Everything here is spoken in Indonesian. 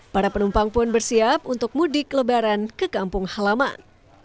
para penumpang pun bersiap untuk mudik lebaran ke kampung halaman